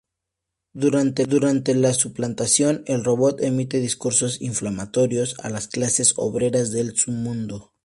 Durante la suplantación, el robot emite discursos inflamatorios a las clases obreras del submundo.